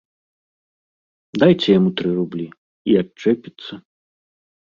Дайце яму тры рублі, і адчэпіцца.